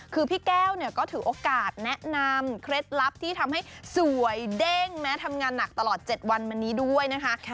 คือพี่แก้วเนี่ยก็ถือโอกาสแนะนำเคล็ดลับที่ทำให้สวยเด้งแม้ทำงานหนักตลอด๗วันมานี้ด้วยนะคะ